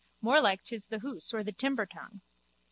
More like 'tis the hoose or the timber tongue.